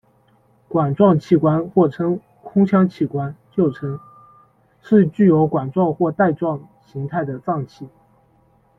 管状器官或称空腔器官，旧称?，是具有管状或袋状形态的脏器。